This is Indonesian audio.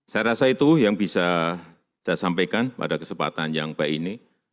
saya rasa itu yang bisa saya sampaikan pada kesempatan yang baik ini